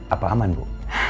apa aman bu